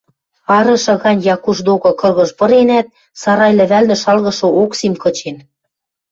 Арышы гань Якуш докы кыргыж пыренӓт, сарай лӹвӓлнӹ шалгышы Оксим кычен